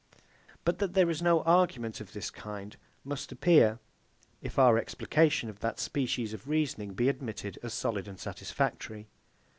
But that there is no argument of this kind, must appear, if our explication of that species of reasoning be admitted as solid and satisfactory.